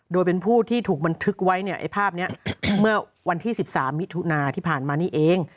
โดยเป็นผู้ที่ถูกบันทึกไว้เนี่ยไอ้ภาพนี้เมื่อวันที่๑๓มิถุนาที่ผ่านมานี่เอง